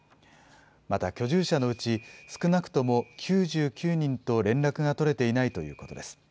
また、居住者のうち、少なくとも９９人と連絡が取れていないということです。